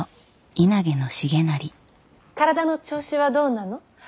体の調子はどうなの。